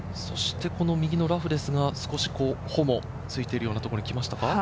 右のラフですが、少しほぼついてるようなところにきましたか。